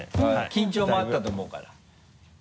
緊張もあったと思うから。